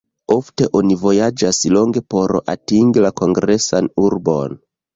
Ofte oni vojaĝas longe por atingi la kongresan urbon.